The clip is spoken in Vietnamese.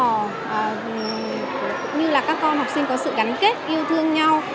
cũng như là các con học sinh có sự gắn kết yêu thương nhau